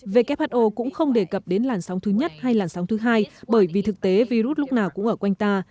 who cũng không đề cập đến làn sóng thứ nhất hay làn sóng thứ hai bởi vì thực tế virus lúc nào cũng ở quanh ta